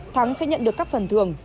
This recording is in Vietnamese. thắng sẽ nhận được các phần thường